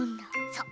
そう！